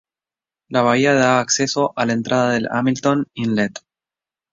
La bahía da acceso a la entrada del Hamilton Inlet.